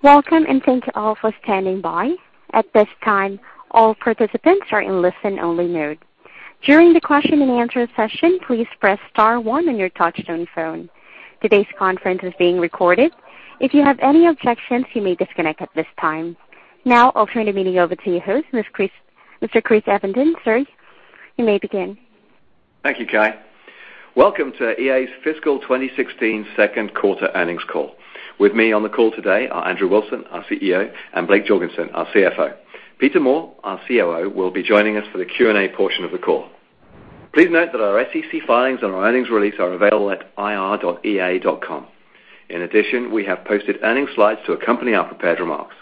Welcome, thank you all for standing by. At this time, all participants are in listen-only mode. During the question and answer session, please press star one on your touchtone phone. Today's conference is being recorded. If you have any objections, you may disconnect at this time. I'll turn the meeting over to your host, Mr. Chris Evenden. Sir, you may begin. Thank you, Kay. Welcome to EA's FY 2016 second quarter earnings call. With me on the call today are Andrew Wilson, our CEO, Blake Jorgensen, our CFO. Peter Moore, our COO, will be joining us for the Q&A portion of the call. Please note that our SEC filings and our earnings release are available at ir.ea.com. We have posted earnings slides to accompany our prepared remarks.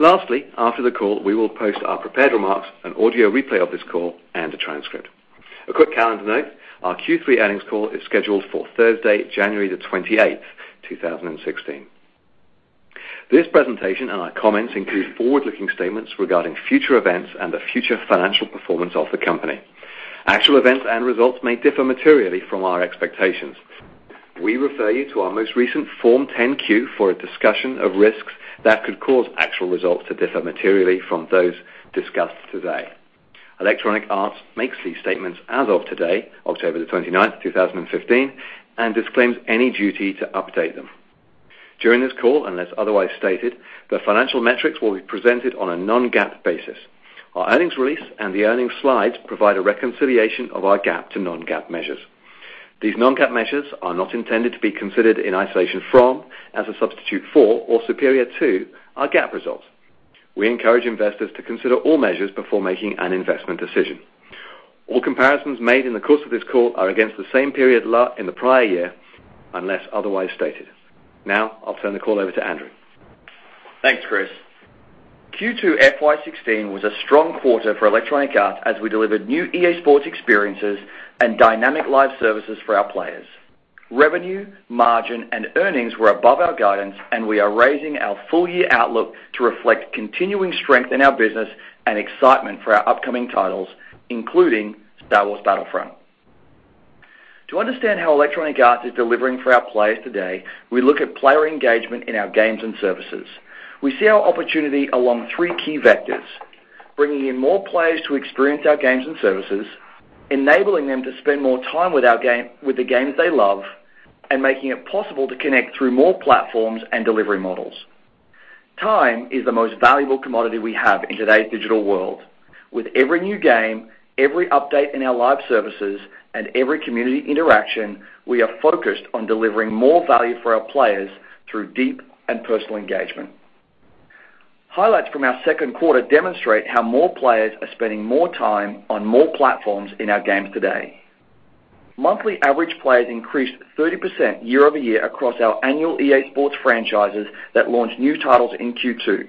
After the call, we will post our prepared remarks, an audio replay of this call, and a transcript. A quick calendar note, our Q3 earnings call is scheduled for Thursday, January the 28th, 2016. This presentation and our comments include forward-looking statements regarding future events and the future financial performance of the company. Actual events and results may differ materially from our expectations. We refer you to our most recent Form 10-Q for a discussion of risks that could cause actual results to differ materially from those discussed today. Electronic Arts makes these statements as of today, October the 29th, 2015, disclaims any duty to update them. During this call, unless otherwise stated, the financial metrics will be presented on a non-GAAP basis. Our earnings release and the earnings slides provide a reconciliation of our GAAP to non-GAAP measures. These non-GAAP measures are not intended to be considered in isolation from, as a substitute for, or superior to, our GAAP results. We encourage investors to consider all measures before making an investment decision. All comparisons made in the course of this call are against the same period in the prior year, unless otherwise stated. I'll turn the call over to Andrew. Thanks, Chris. Q2 FY 2016 was a strong quarter for Electronic Arts as we delivered new EA SPORTS experiences and dynamic live services for our players. Revenue, margin, earnings were above our guidance, we are raising our full-year outlook to reflect continuing strength in our business and excitement for our upcoming titles, including Star Wars Battlefront. To understand how Electronic Arts is delivering for our players today, we look at player engagement in our games and services. We see our opportunity along three key vectors, bringing in more players to experience our games and services, enabling them to spend more time with the games they love, making it possible to connect through more platforms and delivery models. Time is the most valuable commodity we have in today's digital world. With every new game, every update in our live services, every community interaction, we are focused on delivering more value for our players through deep and personal engagement. Highlights from our second quarter demonstrate how more players are spending more time on more platforms in our games today. Monthly average players increased 30% year-over-year across our annual EA SPORTS franchises that launched new titles in Q2: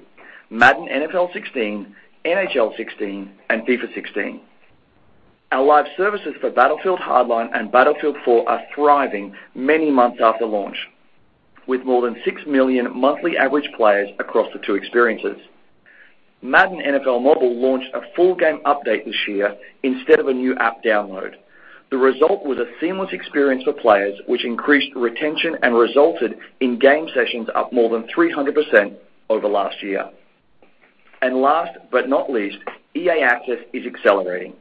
Madden NFL 16, NHL 16, and FIFA 16. Our live services for Battlefield Hardline and Battlefield 4 are thriving many months after launch, with more than 6 million monthly average players across the two experiences. Madden NFL Mobile launched a full game update this year instead of a new app download. The result was a seamless experience for players, which increased retention and resulted in game sessions up more than 300% over last year. Last but not least, EA Access is accelerating.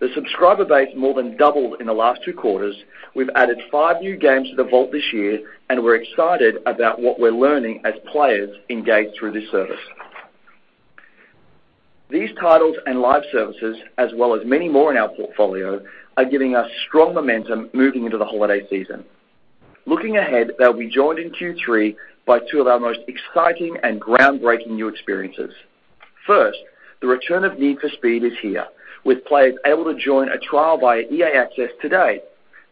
The subscriber base more than doubled in the last two quarters. We've added five new games to the vault this year. We're excited about what we're learning as players engage through this service. These titles and live services, as well as many more in our portfolio, are giving us strong momentum moving into the holiday season. Looking ahead, they'll be joined in Q3 by two of our most exciting and groundbreaking new experiences. First, the return of Need for Speed is here, with players able to join a trial via EA Access today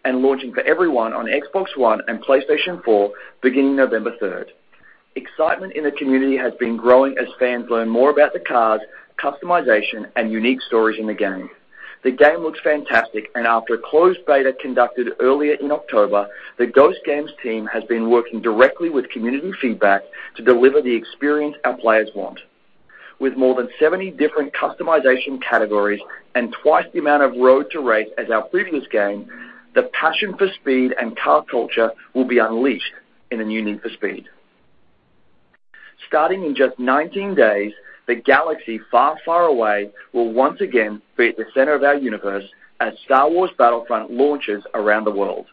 and launching for everyone on Xbox One and PlayStation 4 beginning November 3rd. Excitement in the community has been growing as fans learn more about the cars, customization, and unique stories in the game. The game looks fantastic. After a closed beta conducted earlier in October, the Ghost Games team has been working directly with community feedback to deliver the experience our players want. With more than 70 different customization categories and twice the amount of road to rate as our previous game, the passion for speed and car culture will be unleashed in a new Need for Speed. Starting in just 19 days, the galaxy far, far away will once again be at the center of our universe as Star Wars Battlefront launches around the world.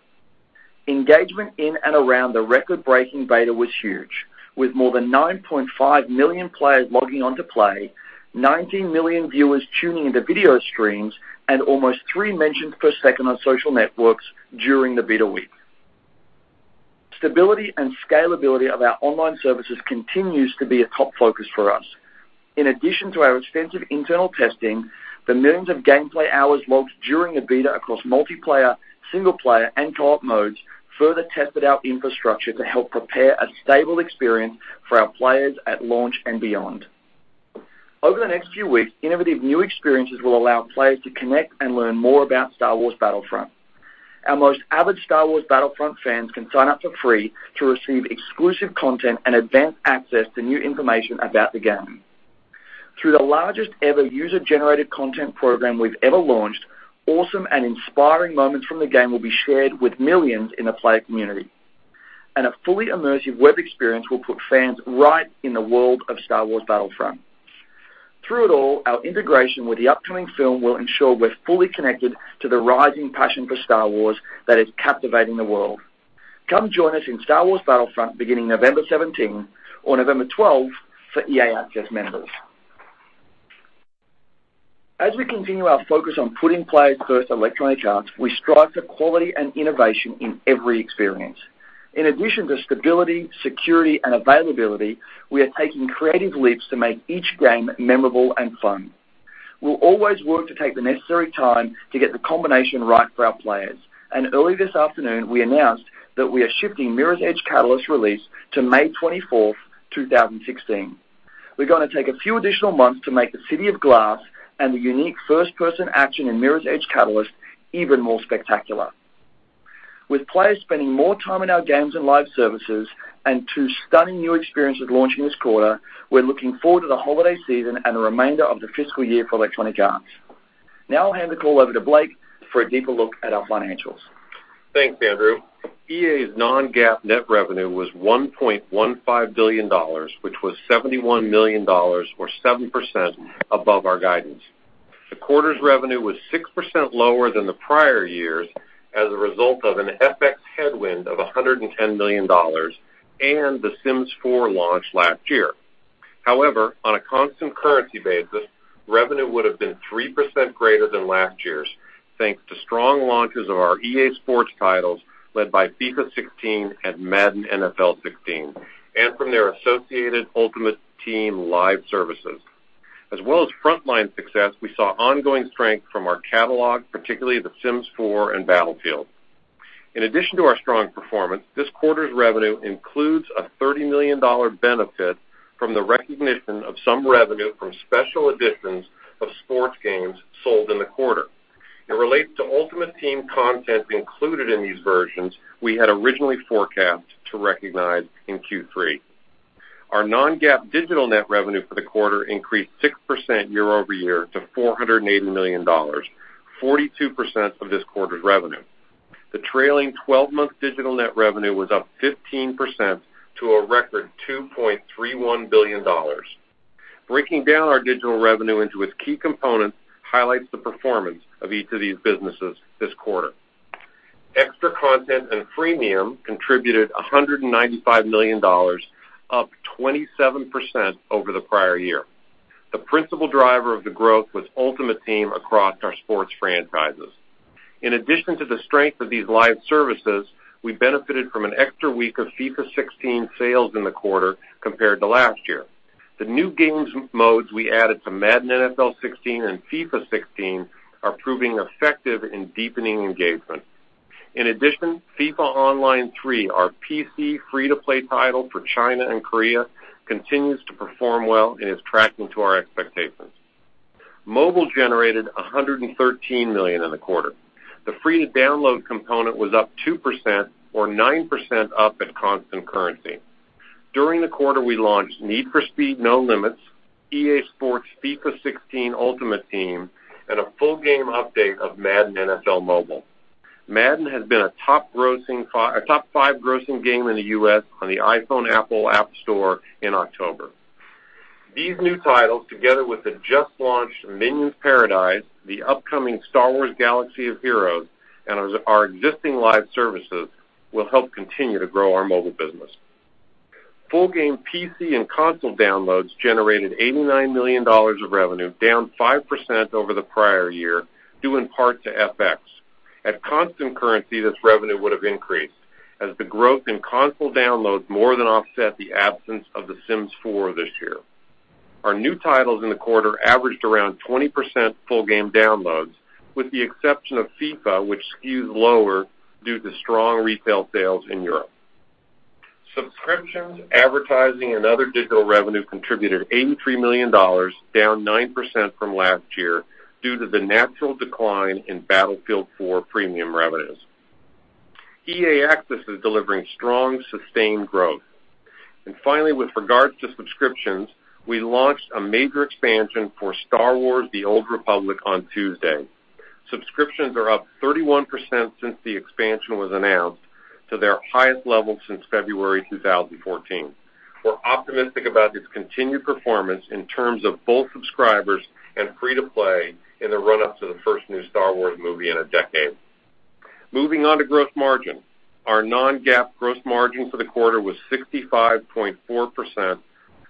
Engagement in and around the record-breaking beta was huge, with more than 9.5 million players logging on to play, 19 million viewers tuning into video streams, almost three mentions per second on social networks during the beta week. Stability and scalability of our online services continues to be a top focus for us. In addition to our extensive internal testing, the millions of gameplay hours logged during the beta across multiplayer, single-player, and co-op modes further tested our infrastructure to help prepare a stable experience for our players at launch and beyond. Over the next few weeks, innovative new experiences will allow players to connect and learn more about Star Wars Battlefront. Our most avid Star Wars Battlefront fans can sign up for free to receive exclusive content and advanced access to new information about the game. Through the largest ever user-generated content program we've ever launched, awesome and inspiring moments from the game will be shared with millions in the player community. A fully immersive web experience will put fans right in the world of Star Wars Battlefront. Through it all, our integration with the upcoming film will ensure we're fully connected to the rising passion for Star Wars that is captivating the world. Come join us in Star Wars Battlefront beginning November 17, or November 12 for EA Access members. As we continue our focus on putting players first at Electronic Arts, we strive for quality and innovation in every experience. In addition to stability, security, and availability, we are taking creative leaps to make each game memorable and fun. We'll always work to take the necessary time to get the combination right for our players. Early this afternoon, we announced that we are shifting Mirror's Edge Catalyst release to May 24th, 2016. We're going to take a few additional months to make the city of Glass and the unique first-person action in Mirror's Edge Catalyst even more spectacular. With players spending more time in our games and live services, and two stunning new experiences launching this quarter, we're looking forward to the holiday season and the remainder of the fiscal year for Electronic Arts. I'll hand the call over to Blake for a deeper look at our financials. Thanks, Andrew. EA's non-GAAP net revenue was $1.15 billion, which was $71 million, or 7% above our guidance. The quarter's revenue was 6% lower than the prior year's as a result of an FX headwind of $110 million and The Sims 4 launch last year. On a constant currency basis, revenue would have been 3% greater than last year's, thanks to strong launches of our EA SPORTS titles led by FIFA 16 and Madden NFL 16, and from their associated Ultimate Team live services. As well as frontline success, we saw ongoing strength from our catalog, particularly The Sims 4 and Battlefield. In addition to our strong performance, this quarter's revenue includes a $30 million benefit from the recognition of some revenue from special editions of sports games sold in the quarter. It relates to Ultimate Team content included in these versions we had originally forecast to recognize in Q3. Our non-GAAP digital net revenue for the quarter increased 6% year-over-year to $480 million, 42% of this quarter's revenue. The trailing 12-month digital net revenue was up 15% to a record $2.31 billion. Breaking down our digital revenue into its key components highlights the performance of each of these businesses this quarter. Extra content and freemium contributed $195 million, up 27% over the prior year. The principal driver of the growth was Ultimate Team across our sports franchises. In addition to the strength of these live services, we benefited from an extra week of FIFA 16 sales in the quarter compared to last year. The new games modes we added to Madden NFL 16 and FIFA 16 are proving effective in deepening engagement. In addition, FIFA Online 3, our PC free-to-play title for China and Korea, continues to perform well and is tracking to our expectations. Mobile generated $113 million in the quarter. The free download component was up 2%, or 9% up at constant currency. During the quarter, we launched Need for Speed No Limits, EA SPORTS FIFA 16 Ultimate Team, and a full game update of Madden NFL Mobile. Madden has been a top 5 grossing game in the U.S. on the iPhone App Store in October. These new titles, together with the just-launched Minions Paradise, the upcoming Star Wars: Galaxy of Heroes, and our existing live services, will help continue to grow our mobile business. Full game PC and console downloads generated $89 million of revenue, down 5% over the prior year, due in part to FX. At constant currency, this revenue would have increased, as the growth in console downloads more than offset the absence of The Sims 4 this year. Our new titles in the quarter averaged around 20% full game downloads, with the exception of FIFA, which skews lower due to strong retail sales in Europe. Subscriptions, advertising, and other digital revenue contributed $83 million, down 9% from last year due to the natural decline in Battlefield 4 Premium revenues. EA Access is delivering strong, sustained growth. Finally, with regards to subscriptions, we launched a major expansion for Star Wars: The Old Republic on Tuesday. Subscriptions are up 31% since the expansion was announced, to their highest level since February 2014. We're optimistic about this continued performance in terms of both subscribers and free to play in the run-up to the first new Star Wars movie in a decade. Moving on to gross margin. Our non-GAAP gross margin for the quarter was 65.4%,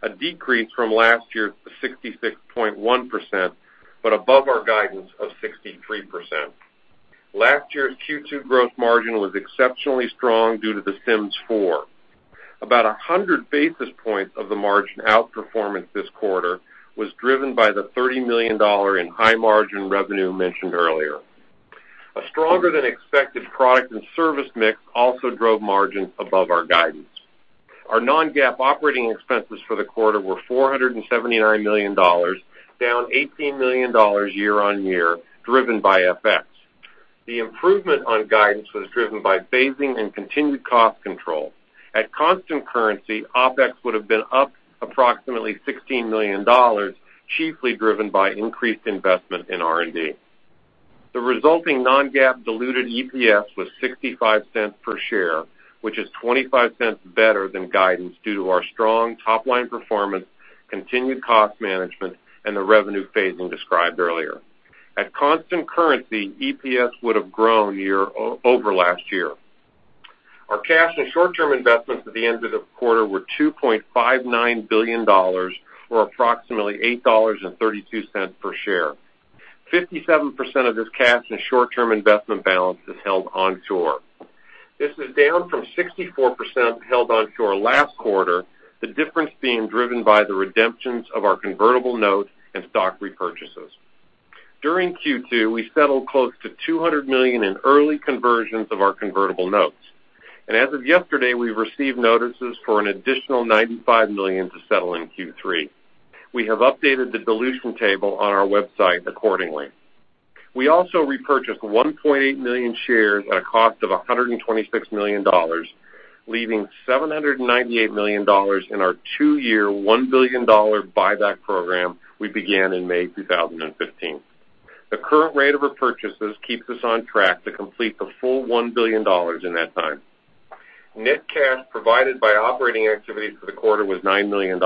a decrease from last year's 66.1%, but above our guidance of 63%. Last year's Q2 gross margin was exceptionally strong due to The Sims 4. About 100 basis points of the margin outperformance this quarter was driven by the $30 million in high margin revenue mentioned earlier. A stronger than expected product and service mix also drove margin above our guidance. Our non-GAAP operating expenses for the quarter were $479 million, down $18 million year-over-year, driven by FX. The improvement on guidance was driven by phasing and continued cost control. At constant currency, OpEx would have been up approximately $16 million, chiefly driven by increased investment in R&D. The resulting non-GAAP diluted EPS was $0.65 per share, which is $0.25 better than guidance due to our strong top-line performance, continued cost management, and the revenue phasing described earlier. At constant currency, EPS would have grown year-over-last year. Our cash and short-term investments at the end of the quarter were $2.59 billion, or approximately $8.32 per share. 57% of this cash and short-term investment balance is held onshore. This is down from 64% held onshore last quarter, the difference being driven by the redemptions of our convertible notes and stock repurchases. During Q2, we settled close to $200 million in early conversions of our convertible notes. As of yesterday, we've received notices for an additional $95 million to settle in Q3. We have updated the dilution table on our website accordingly. We also repurchased 1.8 million shares at a cost of $126 million, leaving $798 million in our two-year, $1 billion buyback program we began in May 2015. The current rate of repurchases keeps us on track to complete the full $1 billion in that time. Net cash provided by operating activities for the quarter was $9 million.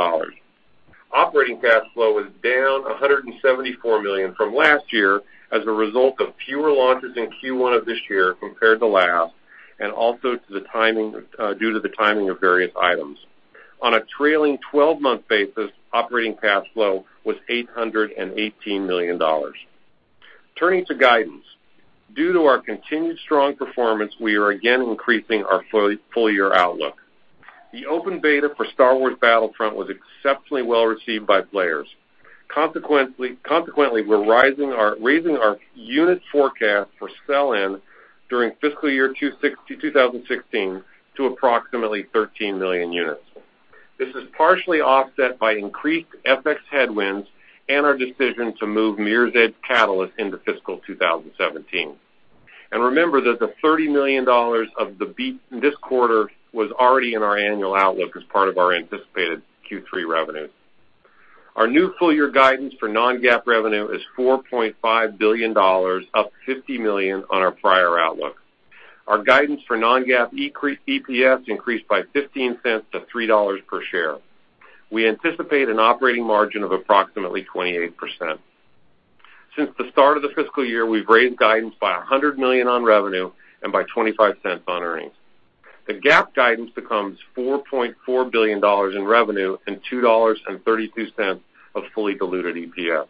Operating cash flow was down $174 million from last year as a result of fewer launches in Q1 of this year compared to last, and also due to the timing of various items. On a trailing 12-month basis, operating cash flow was $818 million. Turning to guidance. Due to our continued strong performance, we are again increasing our full-year outlook. The open beta for Star Wars Battlefront was exceptionally well-received by players. Consequently, we're raising our unit forecast for sell-in during fiscal year 2016 to approximately 13 million units. This is partially offset by increased FX headwinds and our decision to move Mirror's Edge Catalyst into fiscal 2017. Remember that the $30 million of the beat this quarter was already in our annual outlook as part of our anticipated Q3 revenue. Our new full-year guidance for non-GAAP revenue is $4.5 billion, up $50 million on our prior outlook. Our guidance for non-GAAP EPS increased by $0.15 to $3 per share. We anticipate an operating margin of approximately 28%. Since the start of the fiscal year, we've raised guidance by $100 million on revenue and by $0.25 on earnings. The GAAP guidance becomes $4.4 billion in revenue and $2.32 of fully diluted EPS.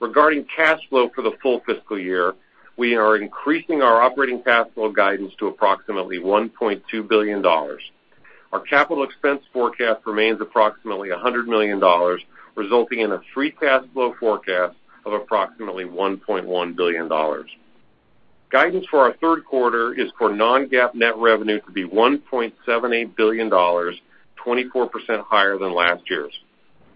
Regarding cash flow for the full fiscal year, we are increasing our operating cash flow guidance to approximately $1.2 billion. Our capital expense forecast remains approximately $100 million, resulting in a free cash flow forecast of approximately $1.1 billion. Guidance for our third quarter is for non-GAAP net revenue to be $1.78 billion, 24% higher than last year's.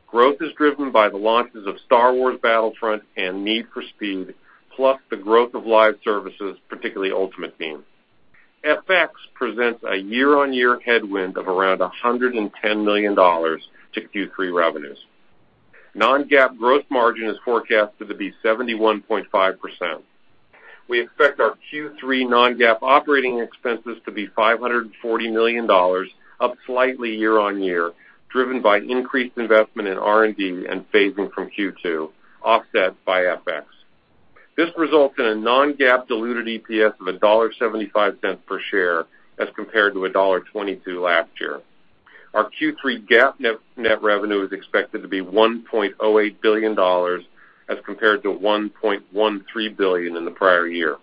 Growth is driven by the launches of Star Wars Battlefront and Need for Speed, plus the growth of live services, particularly Ultimate Team. FX presents a year-on-year headwind of around $110 million to Q3 revenues. Non-GAAP growth margin is forecasted to be 71.5%. We expect our Q3 non-GAAP operating expenses to be $540 million, up slightly year-on-year, driven by increased investment in R&D and phasing from Q2, offset by FX. This results in a non-GAAP diluted EPS of $1.75 per share as compared to $1.22 last year. Our Q3 GAAP net revenue is expected to be $1.08 billion as compared to $1.13 billion in the prior year.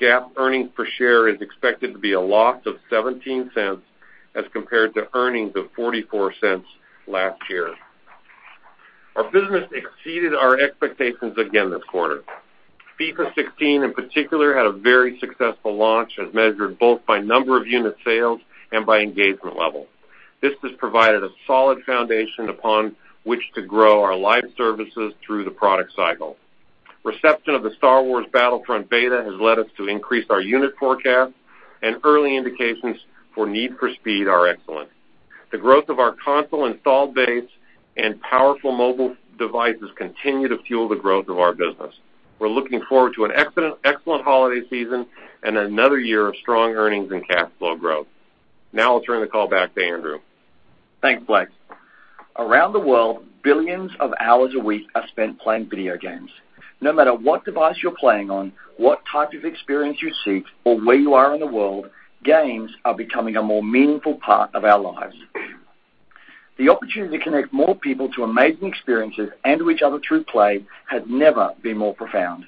GAAP earnings per share is expected to be a loss of $0.17 as compared to earnings of $0.44 last year. Our business exceeded our expectations again this quarter. FIFA 16, in particular, had a very successful launch as measured both by number of unit sales and by engagement level. This has provided a solid foundation upon which to grow our live services through the product cycle. Reception of the Star Wars Battlefront beta has led us to increase our unit forecast and early indications for Need for Speed are excellent. The growth of our console installed base and powerful mobile devices continue to fuel the growth of our business. We're looking forward to an excellent holiday season and another year of strong earnings and cash flow growth. Now I'll turn the call back to Andrew. Thanks, Blake. Around the world, billions of hours a week are spent playing video games. No matter what device you're playing on, what type of experience you seek, or where you are in the world, games are becoming a more meaningful part of our lives. The opportunity to connect more people to amazing experiences and to each other through play has never been more profound.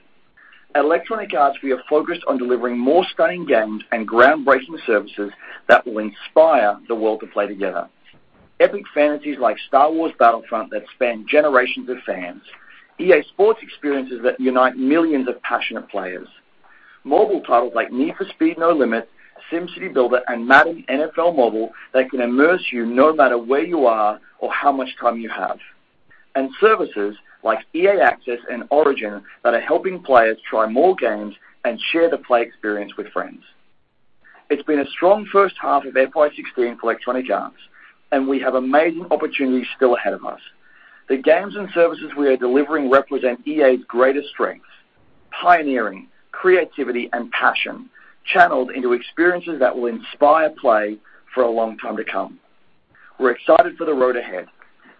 At Electronic Arts, we are focused on delivering more stunning games and groundbreaking services that will inspire the world to play together. Epic fantasies like Star Wars Battlefront that span generations of fans. EA SPORTS experiences that unite millions of passionate players. Mobile titles like Need for Speed No Limits, SimCity BuildIt, and Madden NFL Mobile that can immerse you no matter where you are or how much time you have. Services like EA Access and Origin that are helping players try more games and share the play experience with friends. It's been a strong first half of FY 2016 for Electronic Arts, and we have amazing opportunities still ahead of us. The games and services we are delivering represent EA's greatest strengths: pioneering, creativity, and passion, channeled into experiences that will inspire play for a long time to come. We're excited for the road ahead.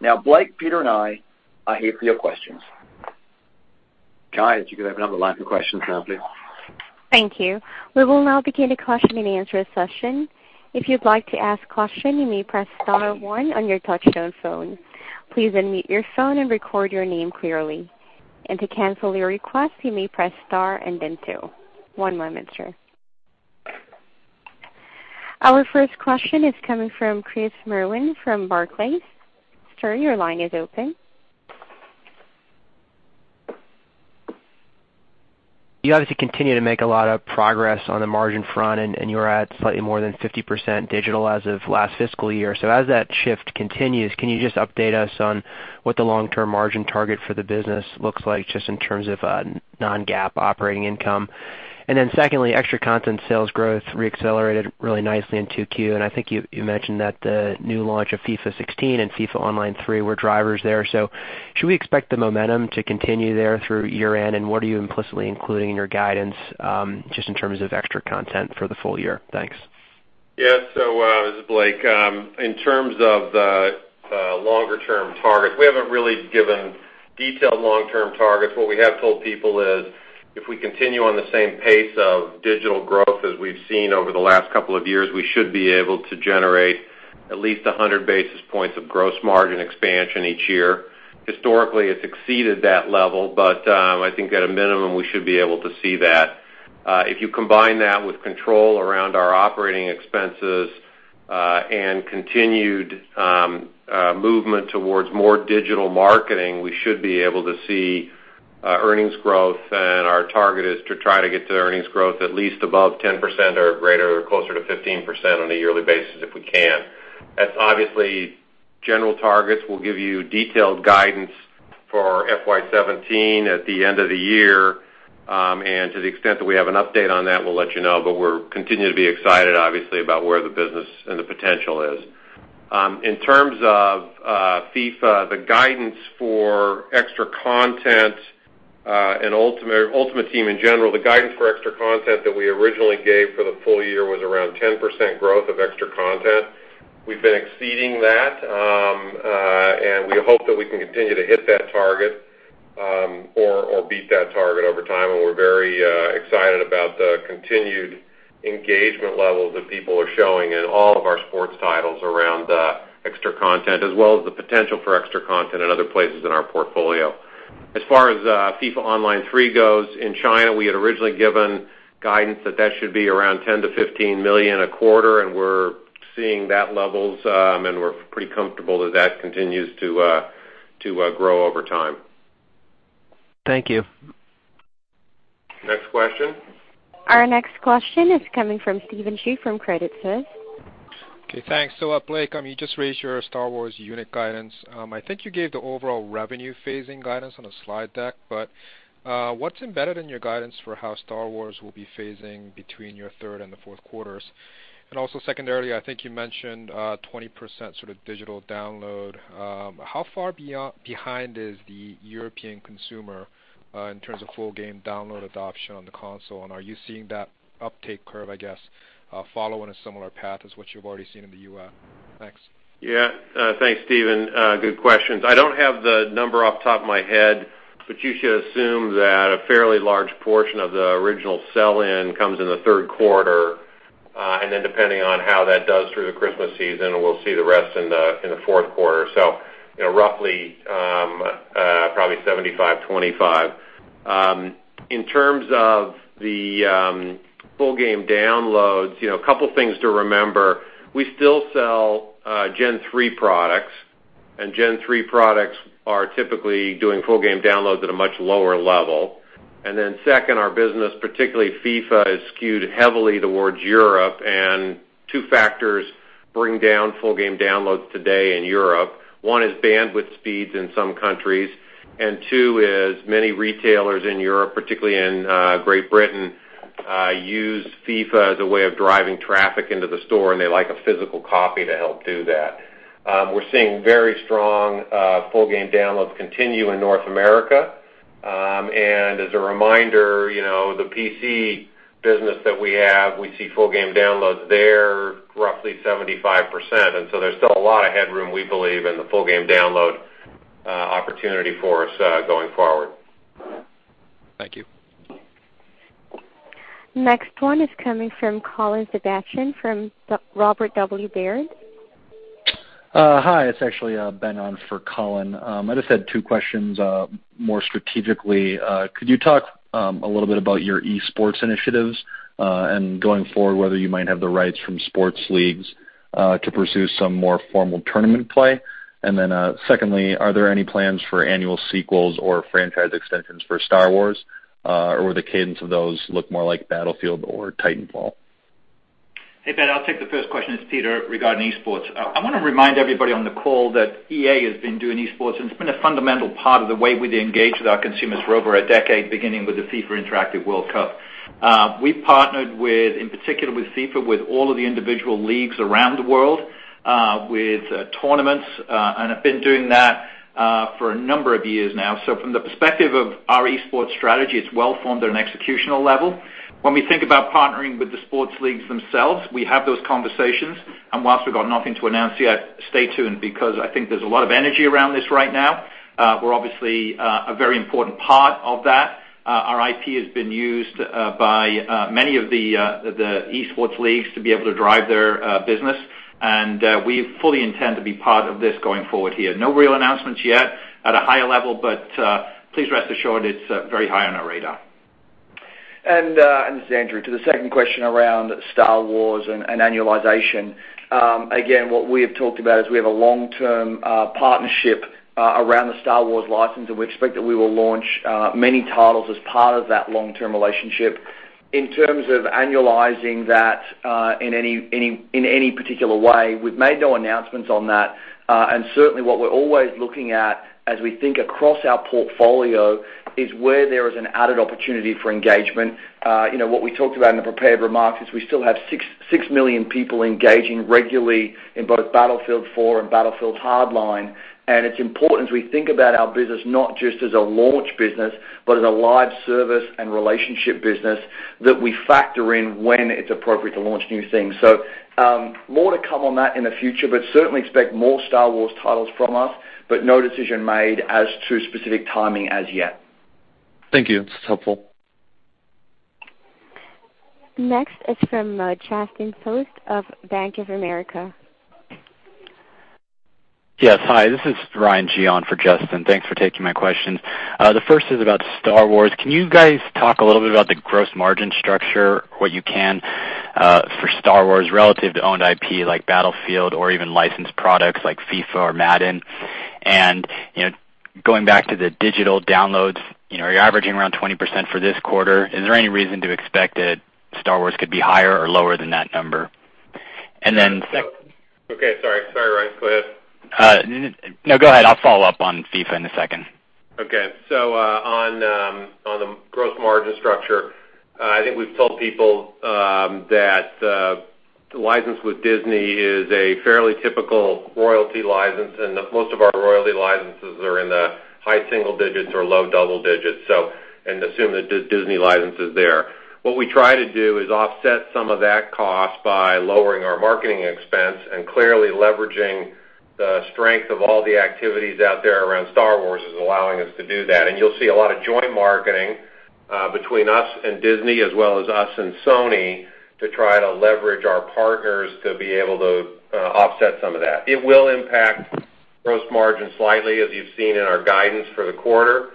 Now, Blake, Peter, and I are here for your questions. Kay, if you could open up the line for questions now, please. Thank you. We will now begin the question-and-answer session. If you'd like to ask question, you may press star one on your touchtone phone. Please unmute your phone and record your name clearly. To cancel your request, you may press star and then two. One moment, sir. Our first question is coming from Chris Merwin from Barclays. Sir, your line is open. You obviously continue to make a lot of progress on the margin front, you're at slightly more than 50% digital as of last fiscal year. As that shift continues, can you just update us on what the long-term margin target for the business looks like, just in terms of non-GAAP operating income? Secondly, extra content sales growth re-accelerated really nicely in 2Q, I think you mentioned that the new launch of FIFA 16 and FIFA Online 3 were drivers there. Should we expect the momentum to continue there through year-end? What are you implicitly including in your guidance, just in terms of extra content for the full year? Thanks. Yes. This is Blake. In terms of the longer-term target, we haven't really given detailed long-term targets. What we have told people is if we continue on the same pace of digital growth as we've seen over the last couple of years, we should be able to generate at least 100 basis points of gross margin expansion each year. Historically, it's exceeded that level. I think at a minimum, we should be able to see that. If you combine that with control around our operating expenses, continued movement towards more digital marketing, we should be able to see earnings growth. Our target is to try to get to earnings growth at least above 10% or greater, or closer to 15% on a yearly basis if we can. That's obviously general targets. We'll give you detailed guidance for FY 2017 at the end of the year. To the extent that we have an update on that, we'll let you know. We're continuing to be excited, obviously, about where the business and the potential is. In terms of FIFA, the guidance for extra content and Ultimate Team in general, the guidance for extra content that we originally gave for the full year was around 10% growth of extra content. We've been exceeding that, we hope that we can continue to hit that target, or beat that target over time. We're very excited about the continued engagement levels that people are showing in all of our sports titles around extra content as well as the potential for extra content in other places in our portfolio. As far as FIFA Online 3 goes, in China, we had originally given guidance that should be around $10 million to $15 million a quarter, and we're seeing that levels. We're pretty comfortable that continues to grow over time. Thank you. Next question. Our next question is coming from Stephen Ju from Credit Suisse. Okay, thanks. Blake, you just raised your Star Wars unit guidance. I think you gave the overall revenue phasing guidance on the slide deck. What's embedded in your guidance for how Star Wars will be phasing between your third and the fourth quarters? Also secondarily, I think you mentioned 20% sort of digital download. How far behind is the European consumer in terms of full game download adoption on the console, and are you seeing that uptake curve, I guess, follow on a similar path as what you've already seen in the U.S.? Thanks. Yeah. Thanks, Stephen. Good questions. I don't have the number off top of my head, you should assume that a fairly large portion of the original sell-in comes in the third quarter. Depending on how that does through the Christmas season, we'll see the rest in the fourth quarter. Roughly, probably 75/25. In terms of the full game downloads, a couple things to remember. We still sell Gen 3 products, and Gen 3 products are typically doing full game downloads at a much lower level. Second, our business, particularly FIFA, is skewed heavily towards Europe, and two factors bring down full game downloads today in Europe. One is bandwidth speeds in some countries. Two is many retailers in Europe, particularly in Great Britain, use FIFA as a way of driving traffic into the store, and they like a physical copy to help do that. We're seeing very strong full game downloads continue in North America. As a reminder, the PC business that we have, we see full game downloads there roughly 75%. There's still a lot of headroom, we believe, in the full game download opportunity for us going forward. Thank you. Next one is coming from Colin Sebastian from Robert W. Baird. Hi, it's actually Ben on for Colin. I just had two questions. More strategically, could you talk a little bit about your esports initiatives and going forward, whether you might have the rights from sports leagues to pursue some more formal tournament play? Secondly, are there any plans for annual sequels or franchise extensions for Star Wars, or the cadence of those look more like Battlefield or Titanfall? Hey, Ben, I'll take the first question. It's Peter regarding esports. I want to remind everybody on the call that EA has been doing esports, and it's been a fundamental part of the way we engage with our consumers for over a decade, beginning with the FIFA Interactive World Cup. We've partnered, in particular, with FIFA, with all of the individual leagues around the world, with tournaments, and have been doing that for a number of years now. From the perspective of our esports strategy, it's well-formed at an executional level. When we think about partnering with the sports leagues themselves, we have those conversations, and whilst we've got nothing to announce yet, stay tuned because I think there's a lot of energy around this right now. We're obviously a very important part of that. Our IP has been used by many of the esports leagues to be able to drive their business. We fully intend to be part of this going forward here. No real announcements yet at a higher level, please rest assured it's very high on our radar. This is Andrew. To the second question around Star Wars and annualization. Again, what we have talked about is we have a long-term partnership around the Star Wars license. We expect that we will launch many titles as part of that long-term relationship. In terms of annualizing that in any particular way, we've made no announcements on that. Certainly, what we're always looking at as we think across our portfolio is where there is an added opportunity for engagement. What we talked about in the prepared remarks is we still have 6 million people engaging regularly in both Battlefield 4 and Battlefield Hardline. It's important as we think about our business not just as a launch business, but as a live service and relationship business, that we factor in when it's appropriate to launch new things. More to come on that in the future, certainly expect more Star Wars titles from us, no decision made as to specific timing as yet. Thank you. This is helpful. Next is from Justin Post of Bank of America. Yes. Hi, this is Ryan Gee for Justin. Thanks for taking my questions. The first is about Star Wars. Can you guys talk a little bit about the gross margin structure, what you can for Star Wars relative to owned IP like Battlefield or even licensed products like FIFA or Madden? Going back to the digital downloads, you're averaging around 20% for this quarter. Is there any reason to expect that Star Wars could be higher or lower than that number? Okay, sorry. Sorry, Ryan. Go ahead. No, go ahead. I'll follow up on FIFA in a second. On the gross margin structure, I think we've told people that the license with Disney is a fairly typical royalty license, and most of our royalty licenses are in the high single digits or low double digits. Assume the Disney license is there. What we try to do is offset some of that cost by lowering our marketing expense and clearly leveraging the strength of all the activities out there around Star Wars is allowing us to do that. You'll see a lot of joint marketing between us and Disney as well as us and Sony to try to leverage our partners to be able to offset some of that. It will impact gross margin slightly, as you've seen in our guidance for the quarter.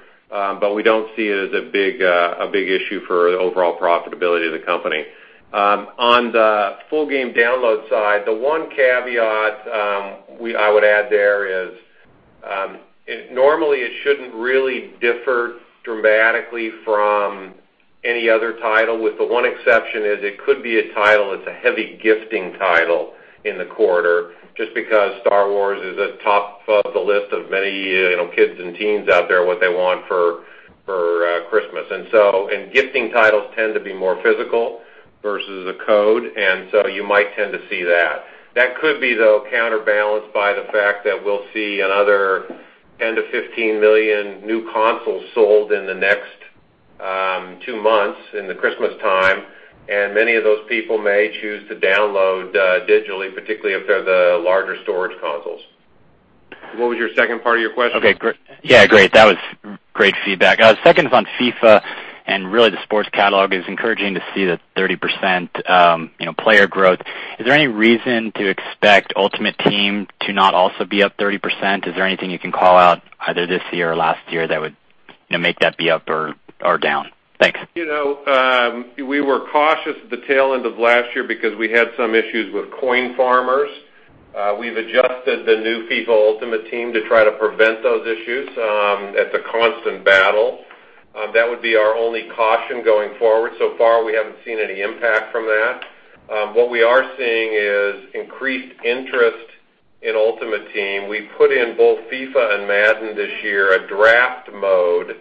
We don't see it as a big issue for the overall profitability of the company. On the full game download side, the one caveat I would add there is normally it shouldn't really differ dramatically from any other title, with the one exception is it could be a title that's a heavy gifting title in the quarter, just because Star Wars is at top of the list of many kids and teens out there, what they want for Christmas. Gifting titles tend to be more physical versus a code. You might tend to see that. That could be, though, counterbalanced by the fact that we'll see another 10 million-15 million new consoles sold in the next two months in the Christmas time, and many of those people may choose to download digitally, particularly if they're the larger storage consoles. What was your second part of your question? Okay, great. Yeah, great. That was great feedback. Second is on FIFA and really the sports catalog. It's encouraging to see the 30% player growth. Is there any reason to expect Ultimate Team to not also be up 30%? Is there anything you can call out either this year or last year that would make that be up or down? Thanks. We were cautious at the tail end of last year because we had some issues with coin farmers. We've adjusted the new FIFA Ultimate Team to try to prevent those issues. It's a constant battle. That would be our only caution going forward. So far, we haven't seen any impact from that. What we are seeing is increased interest in Ultimate Team. We put in both FIFA and Madden this year, a draft mode,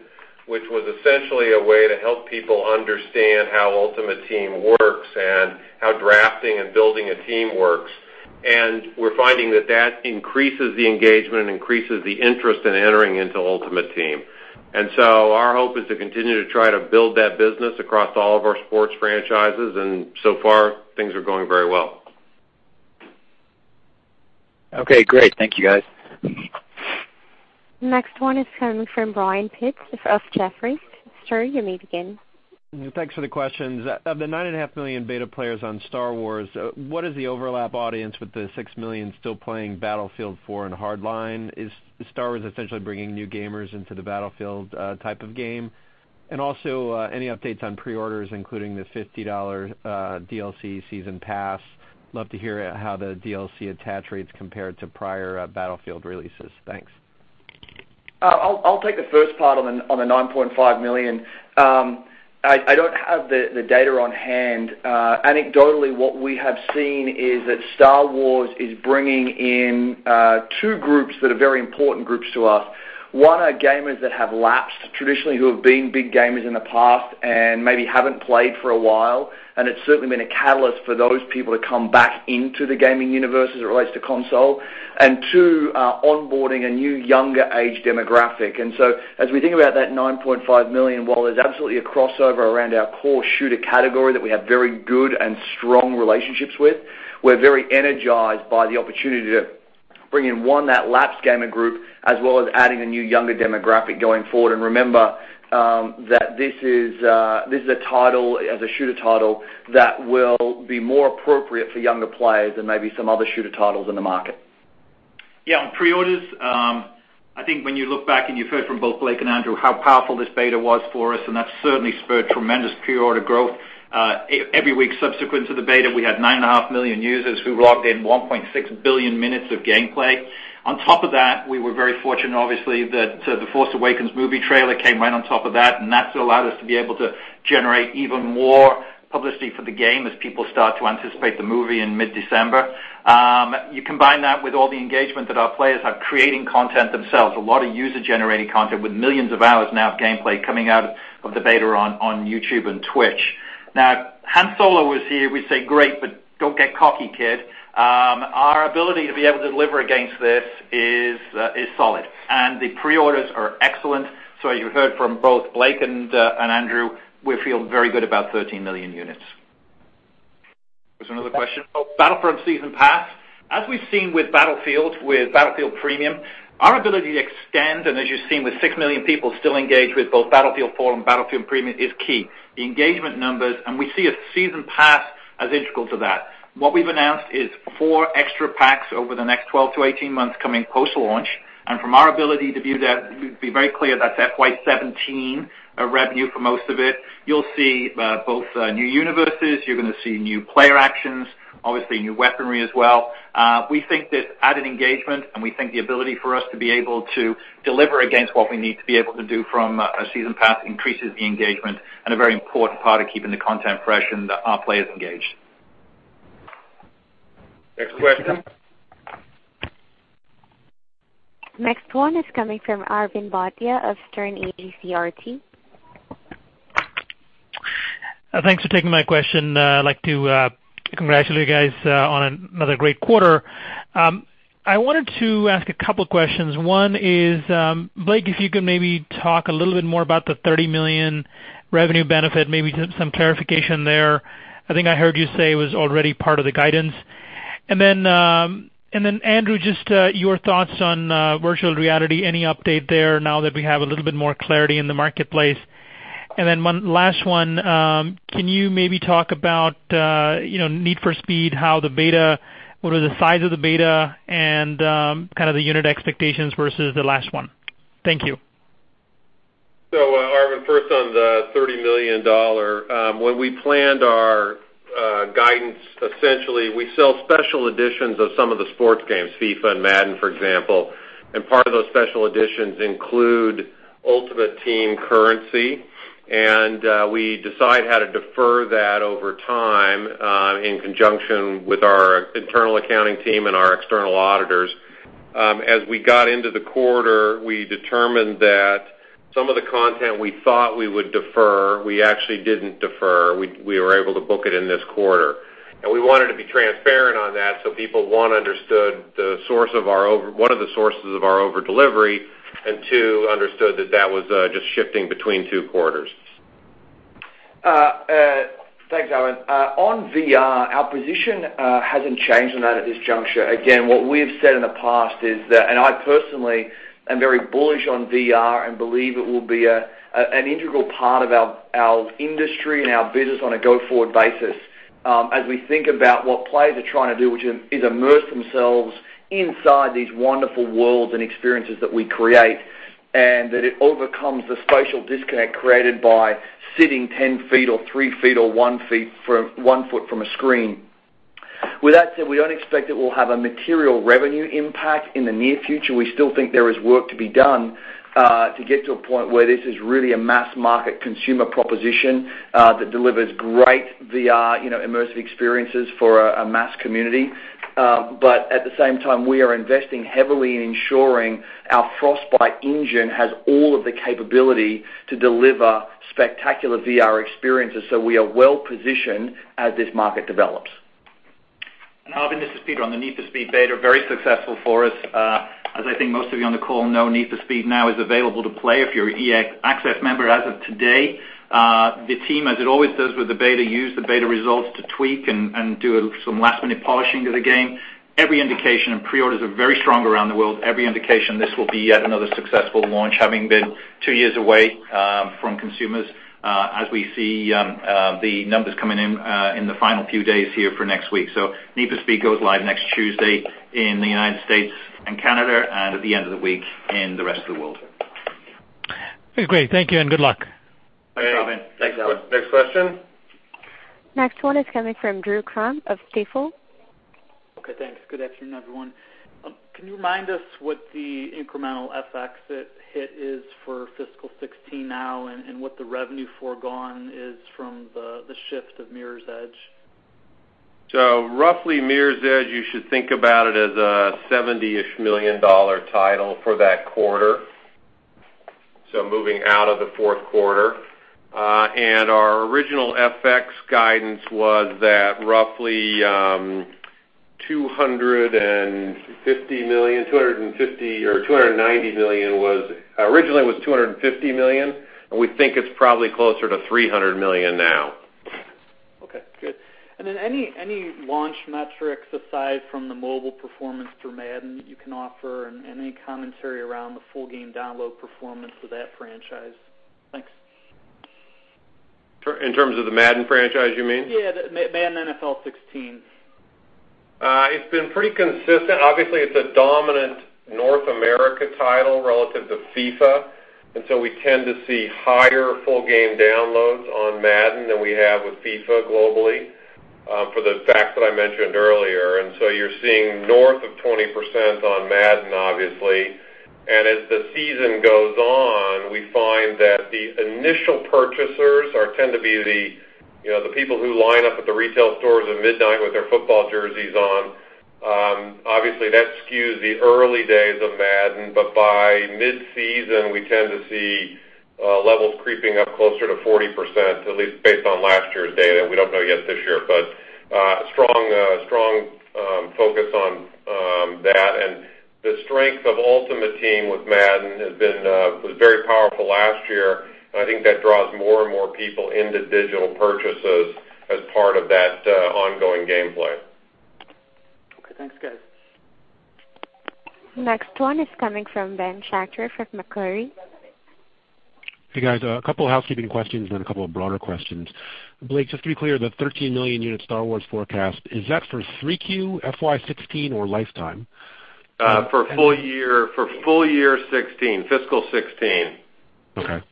which was essentially a way to help people understand how Ultimate Team works and how drafting and building a team works. We're finding that that increases the engagement and increases the interest in entering into Ultimate Team. Our hope is to continue to try to build that business across all of our sports franchises, and so far, things are going very well. Okay, great. Thank you, guys. Next one is coming from Brian Pitz of Jefferies. Sir, you may begin. Thanks for the questions. Of the 9.5 million beta players on Star Wars, what is the overlap audience with the 6 million still playing Battlefield 4 and Hardline? Is Star Wars essentially bringing new gamers into the Battlefield type of game? Any updates on pre-orders, including the $50 DLC season pass? Love to hear how the DLC attach rates compare to prior Battlefield releases. Thanks. I'll take the first part on the 9.5 million. I don't have the data on hand. Anecdotally, what we have seen is that Star Wars is bringing in two groups that are very important groups to us. One are gamers that have lapsed traditionally who have been big gamers in the past and maybe haven't played for a while, and it's certainly been a catalyst for those people to come back into the gaming universe as it relates to console. Two, are onboarding a new, younger age demographic. As we think about that 9.5 million, while there's absolutely a crossover around our core shooter category that we have very good and strong relationships with, we're very energized by the opportunity to bring in, one, that lapsed gamer group, as well as adding a new younger demographic going forward. Remember, that this is a title, as a shooter title, that will be more appropriate for younger players than maybe some other shooter titles in the market. Yeah, on pre-orders, I think when you look back and you've heard from both Blake and Andrew how powerful this beta was for us, that's certainly spurred tremendous pre-order growth. Every week subsequent to the beta, we had 9.5 million users who logged in 1.6 billion minutes of gameplay. On top of that, we were very fortunate, obviously, that The Force Awakens movie trailer came right on top of that, and that's allowed us to be able to generate even more publicity for the game as people start to anticipate the movie in mid-December. You combine that with all the engagement that our players are creating content themselves, a lot of user-generated content with millions of hours now of gameplay coming out of the beta on YouTube and Twitch. Han Solo was here. We say, "Great, don't get cocky, kid." Our ability to be able to deliver against this is solid, the pre-orders are excellent. As you heard from both Blake and Andrew, we feel very good about 13 million units. There's another question. Battlefront Season Pass, as we've seen with Battlefield Premium, our ability to extend, as you've seen with 6 million people still engaged with both Battlefield 4, Battlefield Premium is key. The engagement numbers, we see a season pass as integral to that. What we've announced is four extra packs over the next 12 to 18 months coming post-launch. From our ability to view that, be very clear, that's FY 2017 revenue for most of it. You'll see both new universes. You're going to see new player actions. Obviously, new weaponry as well. We think this added engagement, we think the ability for us to be able to deliver against what we need to be able to do from a Season Pass increases the engagement and a very important part of keeping the content fresh and our players engaged. Next question. Next one is coming from Arvind Bhatia of Sterne Agee CRT. Thanks for taking my question. I'd like to congratulate you guys on another great quarter. I wanted to ask a couple questions. One is, Blake, if you could maybe talk a little bit more about the $30 million revenue benefit, maybe just some clarification there. I think I heard you say it was already part of the guidance. Then, Andrew, just your thoughts on virtual reality. Any update there now that we have a little bit more clarity in the marketplace? Then last one, can you maybe talk about Need for Speed, what are the size of the beta and the unit expectations versus the last one? Thank you. Arvind, first on the $30 million. When we planned our guidance, essentially, we sell special editions of some of the sports games, FIFA and Madden, for example, and part of those special editions include Ultimate Team currency, and we decide how to defer that over time in conjunction with our internal accounting team and our external auditors. As we got into the quarter, we determined that some of the content we thought we would defer, we actually didn't defer. We were able to book it in this quarter. We wanted to be transparent on that so people, one, understood one of the sources of our over delivery, and two, understood that that was just shifting between two quarters. Thanks, Arvind. On VR, our position hasn't changed on that at this juncture. Again, what we have said in the past is that, I personally am very bullish on VR and believe it will be an integral part of our industry and our business on a go-forward basis. As we think about what players are trying to do, which is immerse themselves inside these wonderful worlds and experiences that we create, and that it overcomes the spatial disconnect created by sitting 10 feet or three feet or one foot from a screen. With that said, we don't expect it will have a material revenue impact in the near future. We still think there is work to be done to get to a point where this is really a mass market consumer proposition that delivers great VR immersive experiences for a mass community. At the same time, we are investing heavily in ensuring our Frostbite engine has all of the capability to deliver spectacular VR experiences. We are well-positioned as this market develops. Arvind, this is Peter on the Need for Speed beta, very successful for us. As I think most of you on the call know, Need for Speed now is available to play if you're an EA Access member as of today. The team, as it always does with the beta, use the beta results to tweak and do some last-minute polishing to the game. Every indication and pre-orders are very strong around the world. Every indication, this will be yet another successful launch, having been two years away from consumers, as we see the numbers coming in in the final few days here for next week. Need for Speed goes live next Tuesday in the United States and Canada and at the end of the week in the rest of the world. Great. Thank you, and good luck. No problem. Thanks, Arvind. Next question. Next one is coming from Drew Crum of Stifel. Okay, thanks. Good afternoon, everyone. Can you remind us what the incremental FX hit is for FY 2016 now and what the revenue forgone is from the shift of Mirror's Edge? Roughly Mirror's Edge, you should think about it as a 70-ish million dollar title for that quarter, moving out of the fourth quarter. Our original FX guidance was that roughly $250 million, or $290 million. Originally it was $250 million, we think it's probably closer to $300 million now. Okay, good. Any launch metrics aside from the mobile performance through Madden that you can offer, any commentary around the full game download performance of that franchise? Thanks. In terms of the Madden franchise, you mean? Yeah. Madden NFL 16. It's been pretty consistent. Obviously, it's a dominant North America title relative to FIFA. We tend to see higher full game downloads on Madden than we have with FIFA globally for the facts that I mentioned earlier. You're seeing north of 20% on Madden, obviously. As the season goes on, we find that the initial purchasers tend to be the people who line up at the retail stores at midnight with their football jerseys on. Obviously, that skews the early days of Madden. By mid-season, we tend to see levels creeping up closer to 40%, at least based on last year's data. We don't know yet this year. Strong focus on that. The strength of Ultimate Team with Madden was very powerful last year, and I think that draws more and more people into digital purchases as part of that ongoing gameplay. Okay. Thanks, guys. Next one is coming from Ben Schachter with Macquarie. Hey, guys. A couple of housekeeping questions, then a couple of broader questions. Blake, just to be clear, the 13 million unit Star Wars forecast, is that for 3Q, FY 2016 or lifetime? For full year 2016, fiscal 2016. Okay.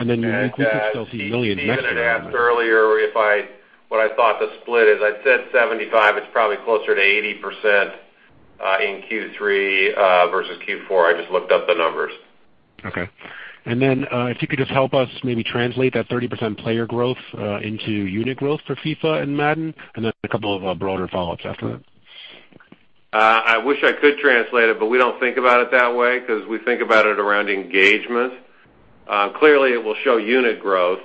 You included 30 million next year in that, right? Stephen had asked earlier what I thought the split is. I said 75, it's probably closer to 80% in Q3 versus Q4. I just looked up the numbers. Okay. If you could just help us maybe translate that 30% player growth into unit growth for FIFA and Madden, then a couple of broader follow-ups after that. I wish I could translate it, we don't think about it that way because we think about it around engagement. Clearly it will show unit growth,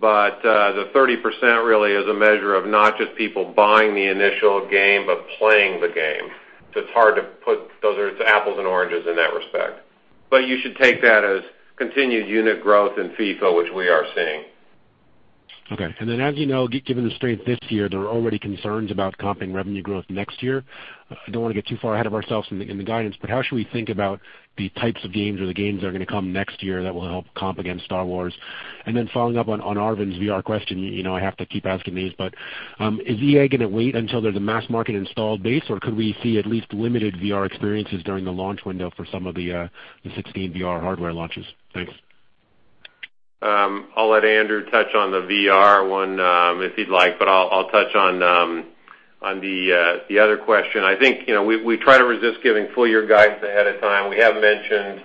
the 30% really is a measure of not just people buying the initial game but playing the game. It's hard to put those It's apples and oranges in that respect. You should take that as continued unit growth in FIFA, which we are seeing. Okay. As you know, given the strength this year, there are already concerns about comping revenue growth next year. I don't want to get too far ahead of ourselves in the guidance, how should we think about the types of games or the games that are going to come next year that will help comp against Star Wars? Following up on Arvind's VR question, I have to keep asking these, is EA going to wait until there's a mass market installed base, or could we see at least limited VR experiences during the launch window for some of the 2016 VR hardware launches? Thanks. I'll let Andrew touch on the VR one if he'd like, but I'll touch on the other question. I think we try to resist giving full year guidance ahead of time. We have mentioned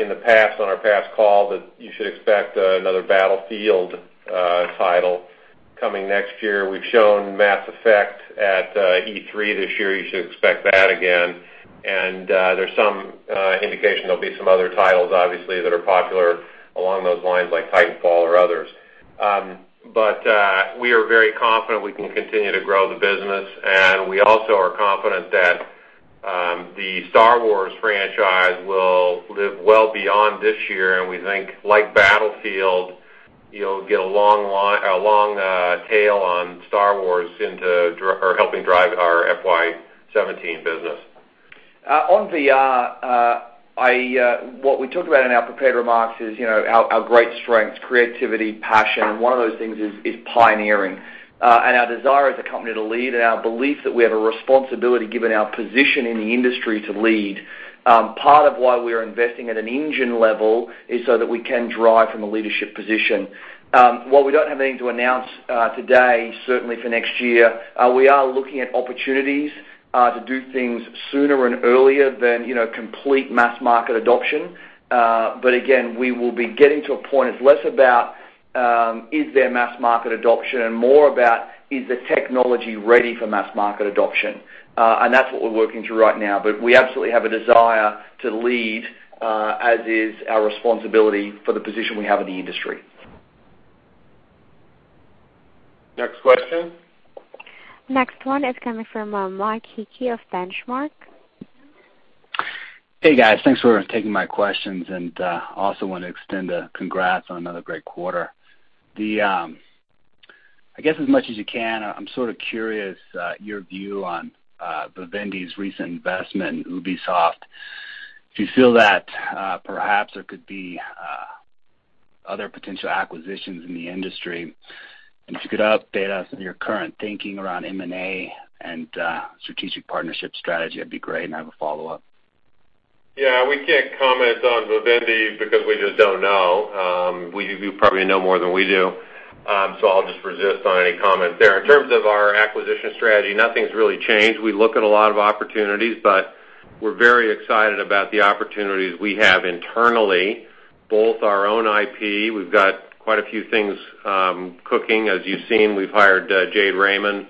in the past on our past call that you should expect another Battlefield title coming next year. We've shown Mass Effect at E3 this year. You should expect that again. There's some indication there'll be some other titles, obviously, that are popular along those lines, like Titanfall or others. We are very confident we can continue to grow the business, and we also are confident that the Star Wars franchise will live well beyond this year, and we think, like Battlefield, you'll get a long tail on Star Wars helping drive our FY 2017 business. On VR, what we talked about in our prepared remarks is our great strengths, creativity, passion, and one of those things is pioneering. Our desire as a company to lead and our belief that we have a responsibility given our position in the industry to lead. Part of why we're investing at an engine level is so that we can drive from a leadership position. While we don't have anything to announce today, certainly for next year, we are looking at opportunities to do things sooner and earlier than complete mass market adoption. Again, we will be getting to a point. It's less about is there mass market adoption and more about is the technology ready for mass market adoption? That's what we're working through right now. We absolutely have a desire to lead, as is our responsibility for the position we have in the industry. Next question. Next one is coming from Mike Hickey of Benchmark. Thanks for taking my questions. I also want to extend a congrats on another great quarter. I guess as much as you can, I am sort of curious your view on Vivendi’s recent investment in Ubisoft. Do you feel that perhaps there could be other potential acquisitions in the industry? If you could update us on your current thinking around M&A and strategic partnership strategy, that would be great. I have a follow-up. Yeah, we cannot comment on Vivendi because we just do not know. You probably know more than we do. I will just resist on any comment there. In terms of our acquisition strategy, nothing has really changed. We look at a lot of opportunities, but we are very excited about the opportunities we have internally, both our own IP. We have got quite a few things cooking. As you have seen, we have hired Jade Raymond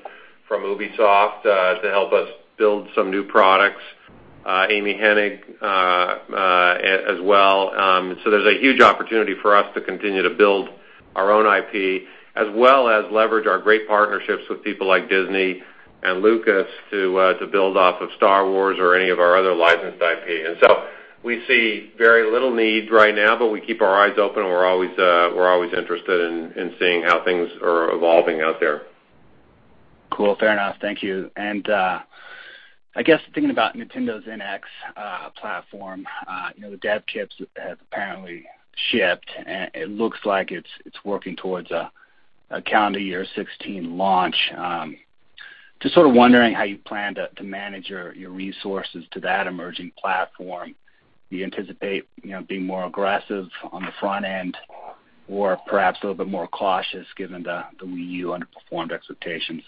from Ubisoft to help us build some new products. Amy Hennig as well. There is a huge opportunity for us to continue to build our own IP, as well as leverage our great partnerships with people like Disney and Lucasfilm to build off of Star Wars or any of our other licensed IP. We see very little need right now, but we keep our eyes open and we are always interested in seeing how things are evolving out there. Cool. Fair enough. Thank you. I guess thinking about Nintendo’s NX platform, the dev kits have apparently shipped, and it looks like it is working towards a calendar year 2016 launch. Just sort of wondering how you plan to manage your resources to that emerging platform. Do you anticipate being more aggressive on the front end or perhaps a little bit more cautious given the Wii U underperformed expectations?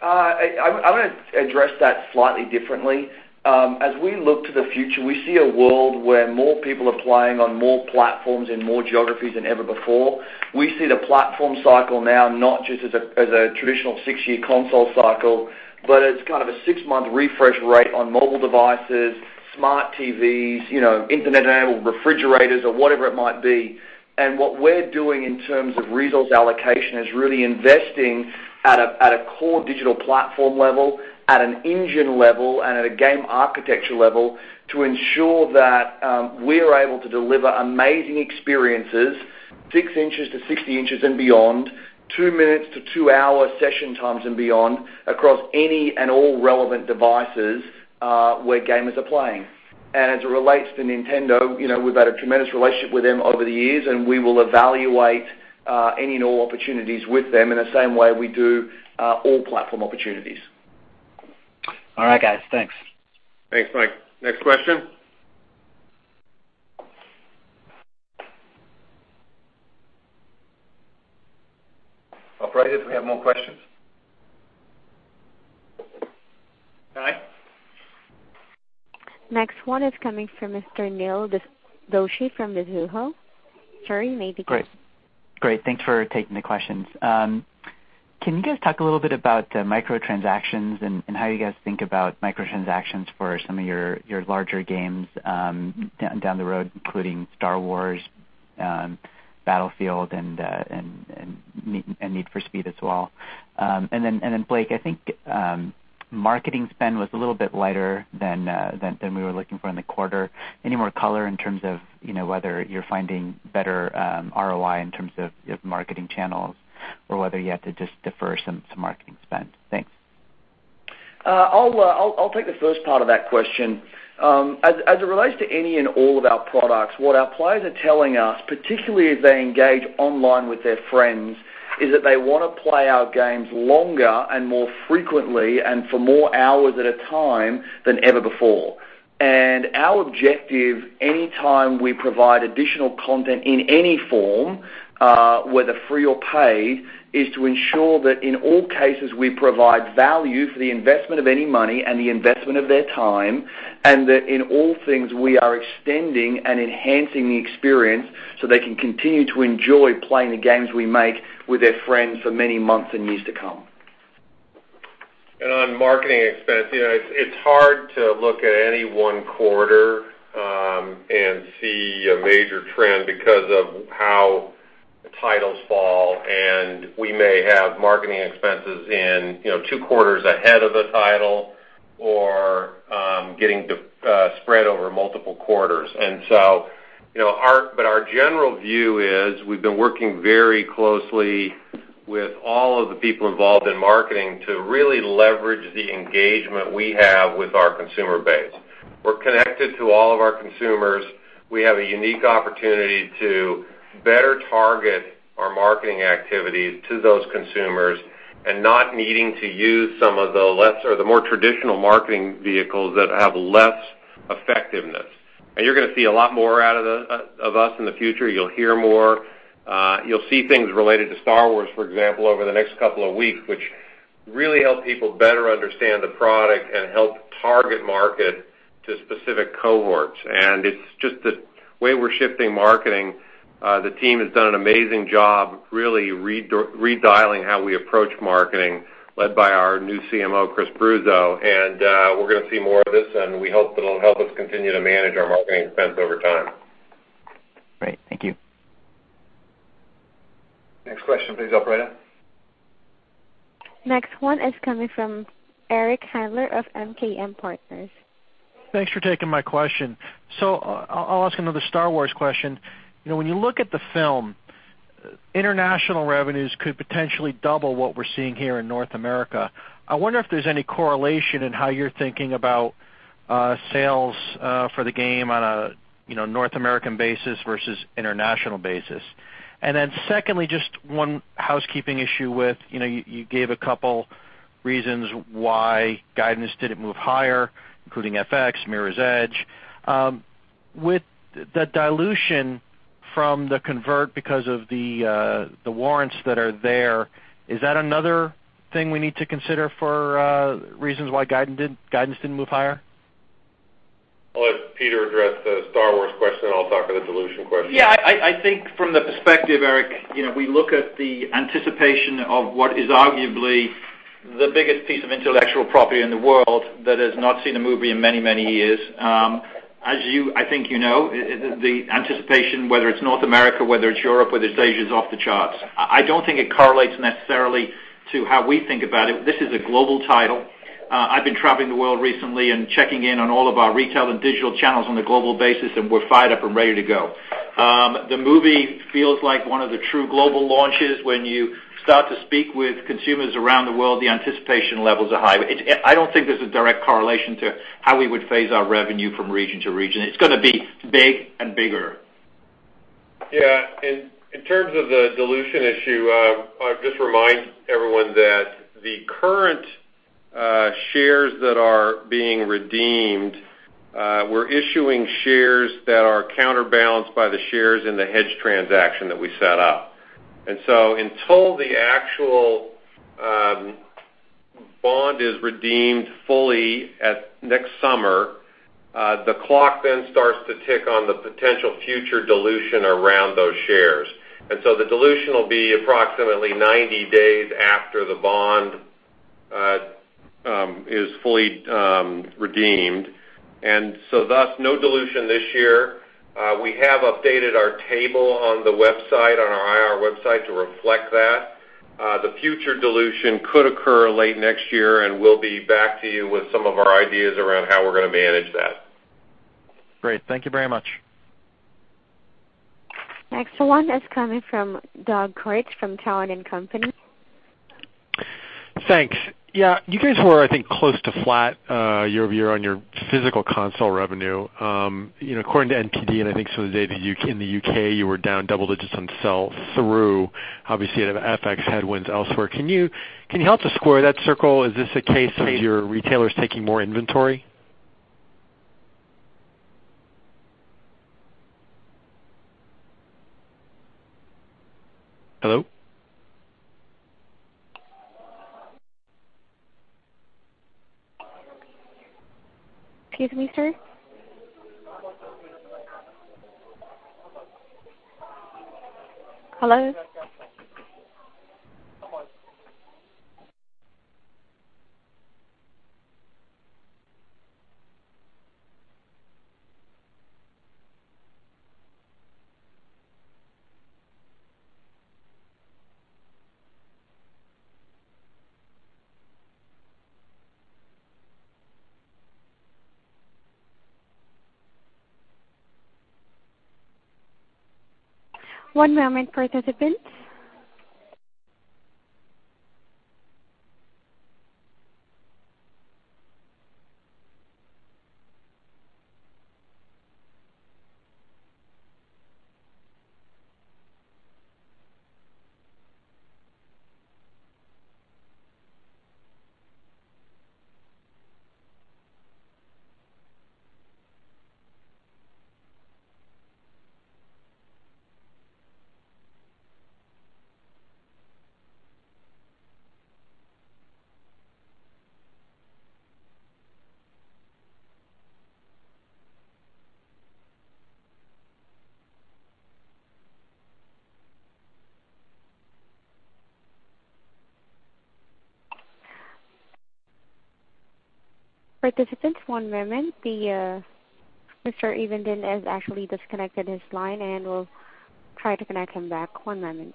I am going to address that slightly differently. As we look to the future, we see a world where more people are playing on more platforms in more geographies than ever before. We see the platform cycle now not just as a traditional six-year console cycle, but as kind of a six-month refresh rate on mobile devices, smart TVs, internet-enabled refrigerators or whatever it might be. What we are doing in terms of resource allocation is really investing at a core digital platform level, at an engine level, and at a game architecture level to ensure that we are able to deliver amazing experiences six inches to 60 inches and beyond, two minutes to two-hour session times and beyond, across any and all relevant devices where gamers are playing. As it relates to Nintendo, we've had a tremendous relationship with them over the years, and we will evaluate any and all opportunities with them in the same way we do all platform opportunities. All right, guys. Thanks. Thanks, Mike. Next question. Operator, do we have more questions? Next one is coming from Mr. Neil Doshi from Mizuho. Sir, you may begin. Great. Thanks for taking the questions. Can you guys talk a little bit about micro-transactions and how you guys think about micro-transactions for some of your larger games down the road, including Star Wars, Battlefield, and Need for Speed as well? Blake, I think marketing spend was a little bit lighter than we were looking for in the quarter. Any more color in terms of whether you're finding better ROI in terms of marketing channels or whether you had to just defer some marketing spend? Thanks. I'll take the first part of that question. As it relates to any and all of our products, what our players are telling us, particularly as they engage online with their friends, is that they want to play our games longer and more frequently and for more hours at a time than ever before. Our objective, anytime we provide additional content in any form, whether free or paid, is to ensure that in all cases, we provide value for the investment of any money and the investment of their time, and that in all things, we are extending and enhancing the experience so they can continue to enjoy playing the games we make with their friends for many months and years to come. On marketing expense, it's hard to look at any one quarter and see a major trend because of how titles fall, and we may have marketing expenses in two quarters ahead of the title or getting spread over multiple quarters. Our general view is we've been working very closely with all of the people involved in marketing to really leverage the engagement we have with our consumer base. We're connected to all of our consumers. We have a unique opportunity to better target our marketing activities to those consumers and not needing to use some of the more traditional marketing vehicles that have less effectiveness. You're going to see a lot more out of us in the future. You'll hear more. You'll see things related to Star Wars, for example, over the next couple of weeks, which really help people better understand the product and help target market to specific cohorts. It's just the way we're shifting marketing. The team has done an amazing job really redialing how we approach marketing, led by our new CMO, Chris Bruzzo. We're going to see more of this, and we hope that it'll help us continue to manage our marketing expense over time. Great. Thank you. Next question, please, operator. Next one is coming from Eric Handler of MKM Partners. Thanks for taking my question. I'll ask another Star Wars question. When you look at the film International revenues could potentially double what we're seeing here in North America. I wonder if there's any correlation in how you're thinking about sales for the game on a North American basis versus international basis. Secondly, just one housekeeping issue with, you gave a couple reasons why guidance didn't move higher, including FX, Mirror's Edge. With the dilution from the convert because of the warrants that are there, is that another thing we need to consider for reasons why guidance didn't move higher? I'll let Peter address the Star Wars question. I'll talk about the dilution question. I think from the perspective, Eric, we look at the anticipation of what is arguably the biggest piece of intellectual property in the world that has not seen a movie in many, many years. As I think you know, the anticipation, whether it's North America, whether it's Europe, whether it's Asia, is off the charts. I don't think it correlates necessarily to how we think about it. This is a global title. I've been traveling the world recently and checking in on all of our retail and digital channels on a global basis. We're fired up and ready to go. The movie feels like one of the true global launches. When you start to speak with consumers around the world, the anticipation levels are high. I don't think there's a direct correlation to how we would phase our revenue from region to region. It's going to be big and bigger. In terms of the dilution issue, I would just remind everyone that the current shares that are being redeemed, we're issuing shares that are counterbalanced by the shares in the hedge transaction that we set up. Until the actual bond is redeemed fully at next summer, the clock then starts to tick on the potential future dilution around those shares. The dilution will be approximately 90 days after the bond is fully redeemed. Thus, no dilution this year. We have updated our table on the IR website to reflect that. The future dilution could occur late next year. We'll be back to you with some of our ideas around how we're going to manage that. Great. Thank you very much. Next one is coming from Doug Creutz from Cowen and Company. Thanks. Yeah, you guys were, I think, close to flat year-over-year on your physical console revenue. According to NPD, and I think some of the data in the U.K., you were down double digits on sell-through, obviously out of FX headwinds elsewhere. Can you help to square that circle? Is this a case of your retailers taking more inventory? Hello? Excuse me, sir. Hello? One moment for participant. Participants, one moment. Mr. Evenden has actually disconnected his line, and we'll try to connect him back. One moment.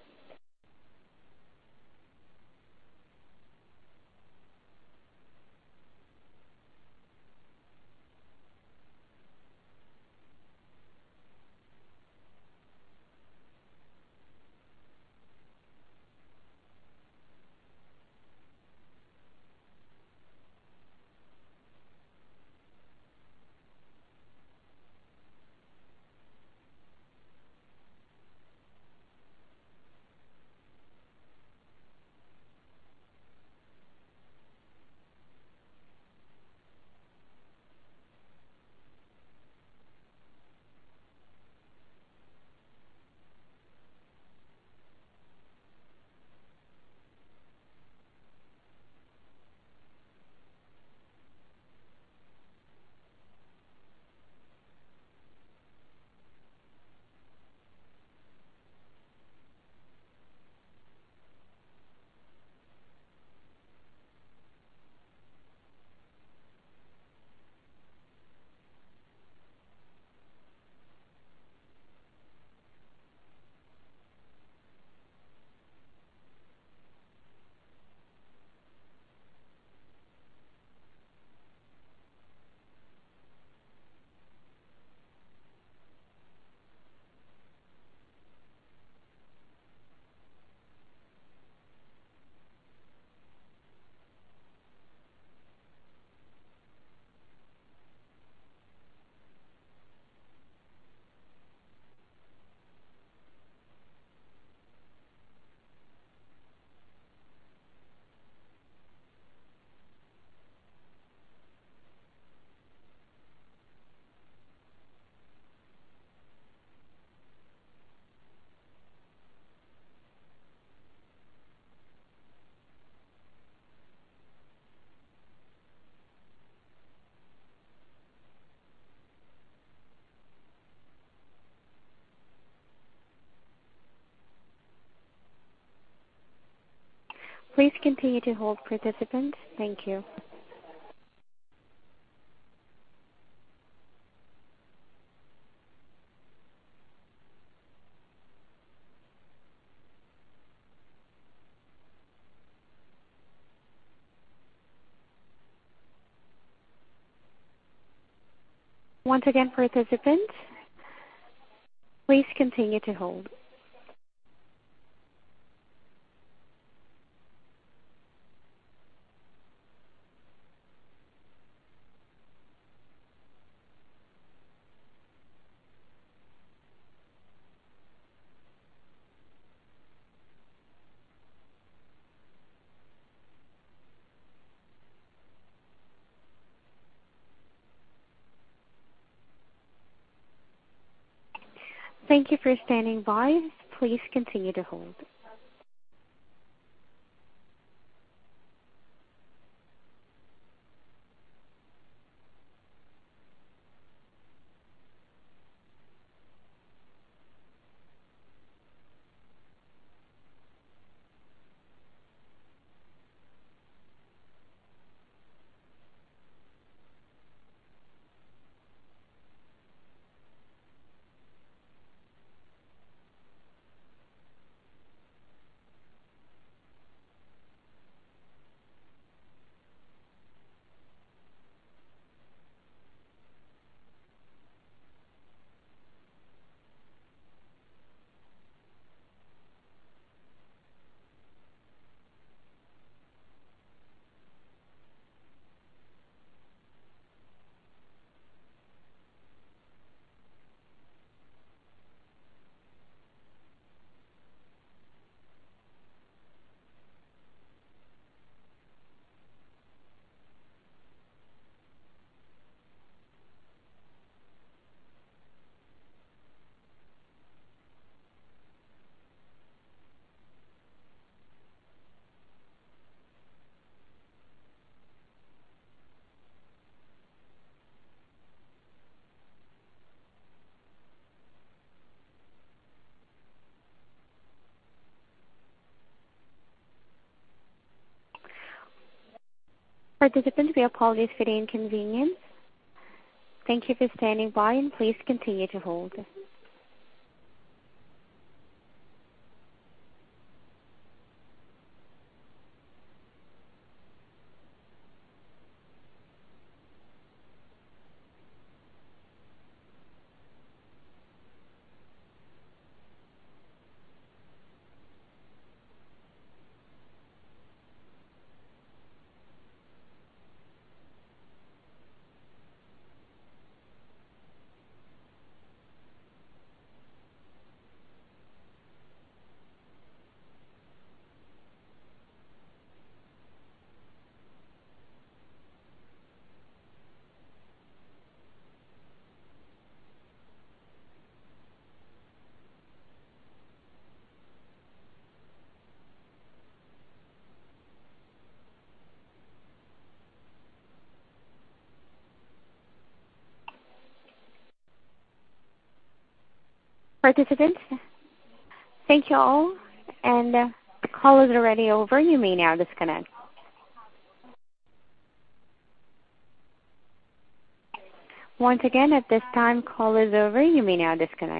Please continue to hold, participants. Thank you. Once again, participants, please continue to hold. Thank you for standing by. Please continue to hold. Participants, we apologize for the inconvenience. Thank you for standing by, and please continue to hold. Participants, thank you all, and the call is already over. You may now disconnect. Once again, at this time, call is over. You may now disconnect.